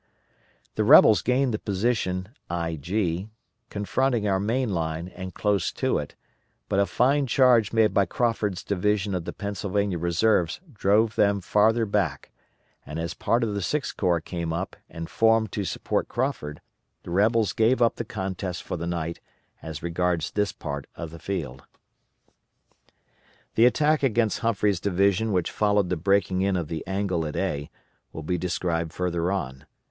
The rebels gained the position LG, confronting our main line and close to it; but a fine charge made by Crawford's division of the Pennsylvania Reserves drove them farther back, and as part of the Sixth Corps came up and formed to support Crawford, the rebels gave up the contest for the night as regards this part of the field. The attack against Humphreys' division which followed the breaking in of the angle at A will be described further on.